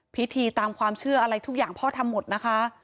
พิธีตามความเชื่ออะไรทุกอย่างพ่อทำหมดนะคะ